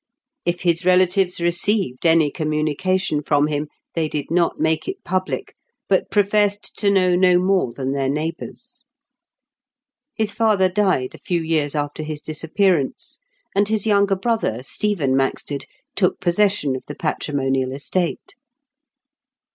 If his relatives received any communication from him, they did not make it public, but professed to know no more than their neighbours. His father died a few years after his disappearance, and his younger brother, Stephen Maxted, took possession of the patrimonial estate.